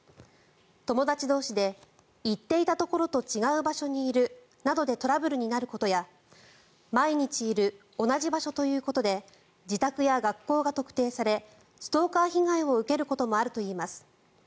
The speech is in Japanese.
友だち同士で言っていたところと違う場所にいるなどでトラブルになることや毎日いる同じ場所ということで自宅や学校が特定されストーカー被害を受けることもあるといいます。